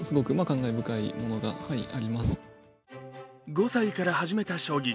５歳から始めた将棋。